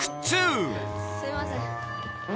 すいません。